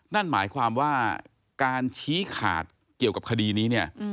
นั่นหมายความว่าการชี้ขาดเกี่ยวกับคดีนี้เนี่ย